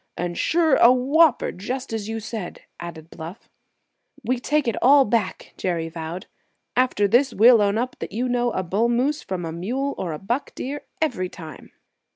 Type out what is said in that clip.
"And sure a whopper, just as you said!" added Bluff. "We take it all back," Jerry vowed. "After this, we'll own up that you know a bull moose from a mule or a buck deer every time."